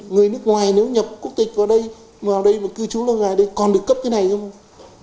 người nước ngoài nếu nhập quốc tịch vào đây mà vào đây mà cư trú ở ngoài đây còn được cấp cái này không